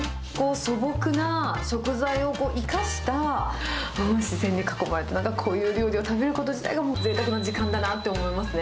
素朴な食材を生かした、自然に囲まれた中、こういう料理を食べること自体が、もうぜいたくな時間だなと思いますね。